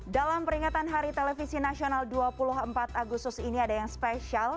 dalam peringatan hari televisi nasional dua puluh empat agustus ini ada yang spesial